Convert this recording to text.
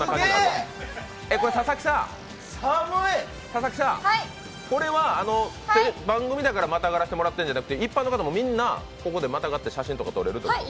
佐々木さん、これは番組だからまたがらせてもらってるんじゃなくて一般の方もみんな、ここでまたがって写真とか撮れるってこと？